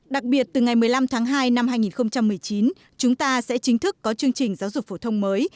đặc biệt từ ngày một mươi năm tháng hai năm hai nghìn một mươi chín chúng ta sẽ chính thức có chương trình giáo dục phổ thông mới